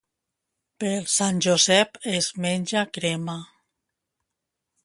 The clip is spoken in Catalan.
Per Sant Josep, es menja crema.